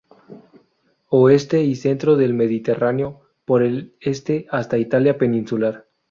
Oeste y centro del Mediterráneo, por el este hasta Italia peninsular.